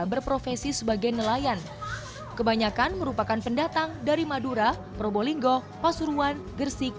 berprofesi sebagai nelayan kebanyakan merupakan pendatang dari madura probolinggo pasuruan gersik